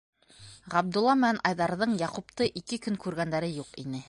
Ғабдулла менән Айҙарҙың Яҡупты ике көн күргәндәре юҡ ине.